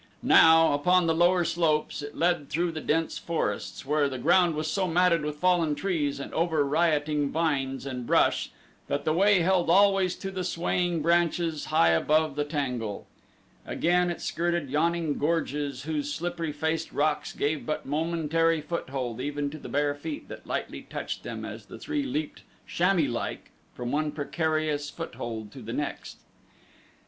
Now, upon the lower slopes, it led through dense forests where the ground was so matted with fallen trees and over rioting vines and brush that the way held always to the swaying branches high above the tangle; again it skirted yawning gorges whose slippery faced rocks gave but momentary foothold even to the bare feet that lightly touched them as the three leaped chamois like from one precarious foothold to the next.